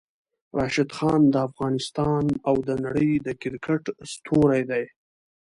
راشد خان د افغانستان او د نړۍ د کرکټ ستوری ده!